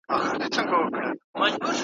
له هر شرنګه مار وهلی د زاهد کور به خراب وي ,